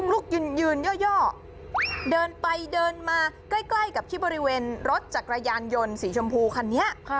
ลูกยืนย่อเดินไปเดินมาใกล้กับที่บริเวณรถจักรยานยนต์สีชมพูคันนี้